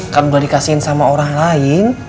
kan udah dikasihin sama orang lain